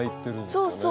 そうそう。